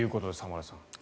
浜田さん。